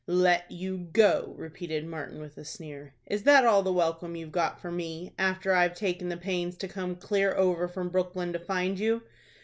"Let you go!" repeated Martin, with a sneer. "Is that all the welcome you've got for me, after I've taken the pains to come clear over from Brooklyn to find you?